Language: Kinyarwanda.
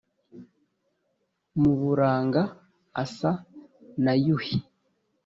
mu buranga asa na yuhi.